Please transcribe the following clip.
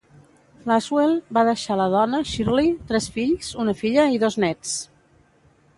Lasswell va deixar la dona, Shirley, tres fills, una filla i dos néts.